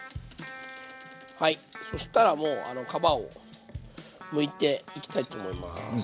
そしたらもう皮をむいていきたいと思います。